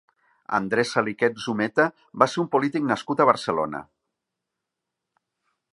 Andrés Saliquet Zumeta va ser un polític nascut a Barcelona.